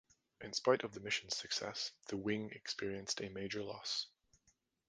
In spite of the mission's success, the Wing experienced a major loss.